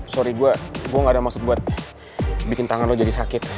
sorry gue gue gak ada maksud buat bikin tangan lo jadi sakit